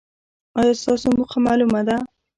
ایا ستاسو موخه معلومه ده؟